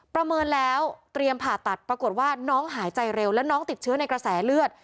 ประเมินแล้วเตรียมผ่าตัดปรากฏว่าน้องหายใจเร็วแล้วน้องติดเชื้อในกระแสเลือด